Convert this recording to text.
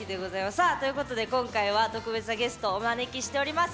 さあということで今回は特別なゲストをお招きしております。